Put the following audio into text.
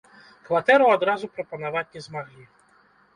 Кватэру адразу прапанаваць не змаглі.